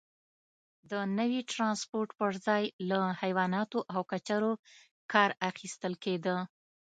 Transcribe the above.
د نوي ټرانسپورت پرځای له حیواناتو او کچرو کار اخیستل کېده.